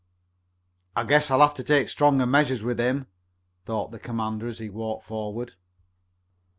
"I guess I'll have to take stronger measures with him," thought the commander as he walked forward.